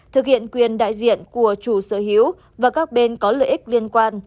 thực hiện quyền đại diện của chủ sở hữu và các bên có lợi ích liên quan